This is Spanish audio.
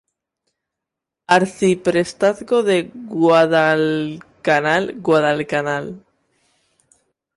Arciprestazgo de Guadalcanal: Guadalcanal.